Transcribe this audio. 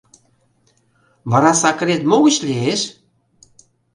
— Вара сакырет могыч лиеш?